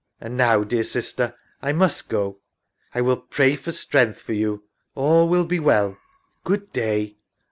And now, dear sister, I must go. I will pray for strength for you. All will be well. Good day.